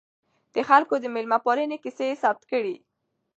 د خلکو د میلمه پالنې کیسې یې ثبت کړې.